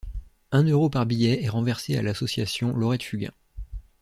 Un euro par billet est renversé à l'association Laurette Fugain.